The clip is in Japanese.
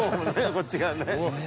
こっちがね。